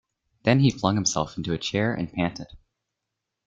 Then he flung himself into a chair and panted.